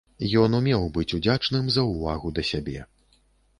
Ён умеў быць удзячным за ўвагу да сябе.